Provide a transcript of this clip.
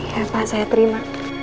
ya pak saya terima